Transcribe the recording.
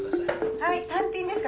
はい単品ですか？